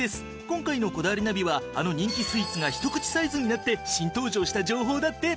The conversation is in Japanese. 今回の『こだわりナビ』はあの人気スイーツがひと口サイズになって新登場した情報だって！